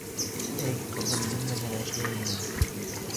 Эй, ҡыҙым, нимә генә эшләйем мин?..